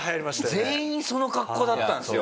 全員その格好だったんですよ